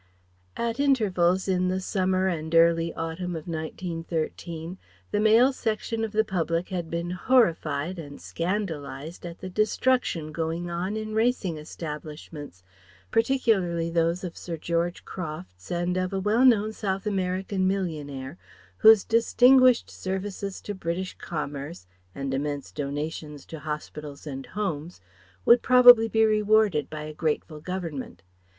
At intervals in the summer and early autumn of 1913 the male section of the public had been horrified and scandalized at the destruction going on in racing establishments, particularly those of Sir George Crofts and of a well known South American millionaire, whose distinguished services to British commerce and immense donations to Hospitals and Homes would probably be rewarded by a grateful government.